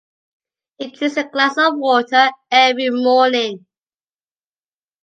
He drinks a glass of water every morning.